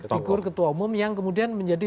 figur ketua umum yang kemudian menjadi